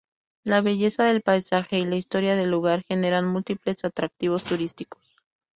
La belleza del paisaje y la historia del lugar generan múltiples atractivos turísticos.